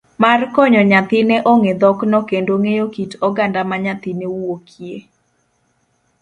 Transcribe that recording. mar konyo nyathine ong'e dhokno kendo ng'eyo kit oganda ma nyathine wuokie.